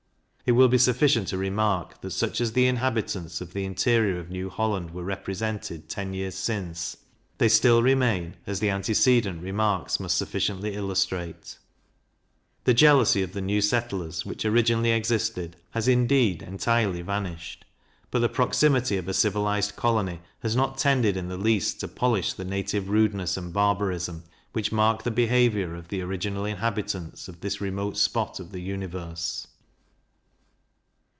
It will be sufficient to remark, that such as the inhabitants of the interior of New Holland were represented ten years since, they still remain, as the antecedent remarks must sufficiently illustrate: The jealousy of the new settlers, which originally existed, has indeed entirely vanished; but the proximity of a civilized colony has not tended in the least to polish the native rudeness and barbarism, which mark the behaviour of the original inhabitants of this remote spot of the universe.